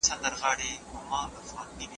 زه کولای سم کتابتون ته ولاړ سم؟